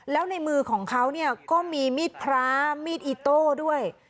แล้วในมือของเขาเนี่ยก็มีมีดพระมีดอิโต้ด้วย